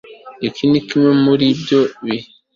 Iki ni kimwe muri ibyo bihe